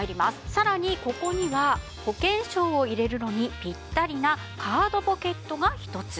さらにここには保険証を入れるのにピッタリなカードポケットが１つ。